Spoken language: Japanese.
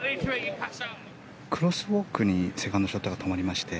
クロスウォークにセカンドショットが止まりまして